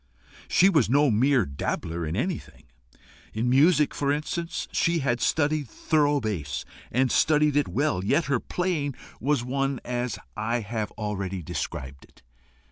She was no mere dabbler in anything: in music, for instance, she had studied thorough bass, and studied it well; yet her playing was such as I have already described it.